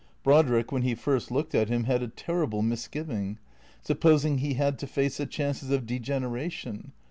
Brodrick when he first looked at him had a terrible misgiving. Supposing he had to face the chances of degeneration?